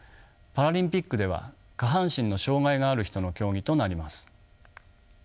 パラリンピックでは下半身の障がいがある人の競技となります。